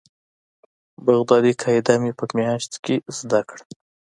بغدادي قاعده مې په مياشت کښې زده کړه.